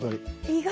意外！